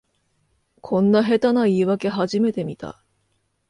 こんな下手な言いわけ初めて見た